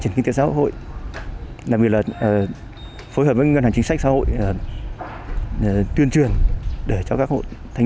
triển kinh tế xã hội đặc biệt là phối hợp với ngân hàng chính sách xã hội tuyên truyền để cho các hội thanh